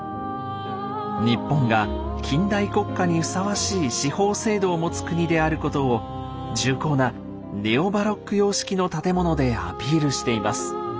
日本が近代国家にふさわしい司法制度を持つ国であることを重厚なネオ・バロック様式の建物でアピールしています。